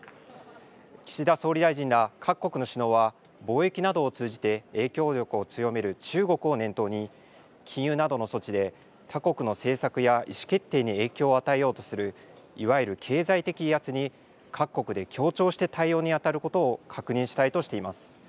岸田総理大臣ら各国の首脳は貿易などを通じて影響力を強める中国を念頭に禁輸などの措置で他国の政策や意思決定に影響を与えようとするいわゆる経済的威圧に各国で協調して対応にあたることを確認したいとしています。